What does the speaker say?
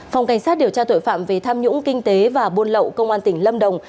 phòng cảnh sát điều tra tội phạm về tham nhũng kinh tế và buôn lậu công an tỉnh lâm đồng